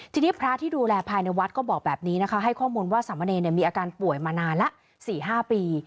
ทีนี้พระที่ดูแลภายในวัดก็บอกแบบนี้นะคะให้ข้อมูลว่าสามเณรมีอาการป่วยมานานละ๔๕ปี